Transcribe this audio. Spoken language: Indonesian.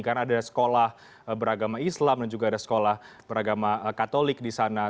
karena ada sekolah beragama islam dan juga ada sekolah beragama katolik di sana